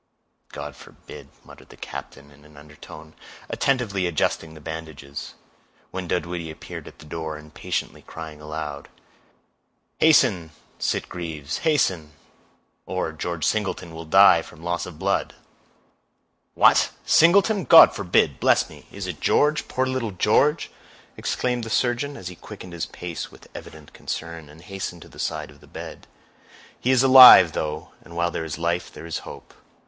"God forbid," muttered the captain, in an undertone, attentively adjusting the bandages, when Dunwoodie appeared at the door, impatiently crying aloud,— "Hasten, Sitgreaves, hasten; or George Singleton will die from loss of blood." "What! Singleton! God forbid! Bless me—is it George—poor little George?" exclaimed the surgeon, as he quickened his pace with evident concern, and hastened to the side of the bed. "He is alive, though, and while there is life there is hope.